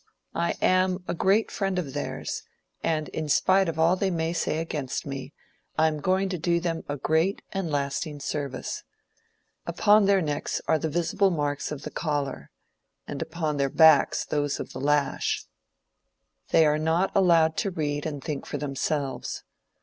I am a great friend of theirs, and in spite of all they may say against me, I am going to do them a great and lasting service. Upon their necks are visible the marks of the collar, and upon their backs those of the lash. They are not allowed to read and think for themselves.